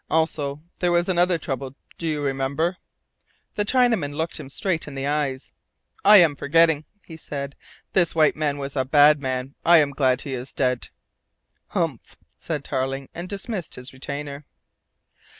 Also there was another trouble do you remember?" The Chinaman looked him straight in the eyes. "I am forgetting," he said. "This white face was a bad man. I am glad he is dead." "Humph!" said Tarling, and dismissed his retainer.